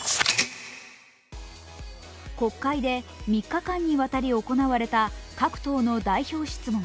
国会で３日間にわたり行われた各党の代表質問。